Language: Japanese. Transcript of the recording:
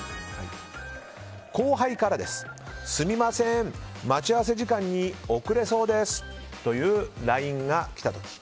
後輩から、すみません待ち合わせ時間に遅れそうですというＬＩＮＥが来た時。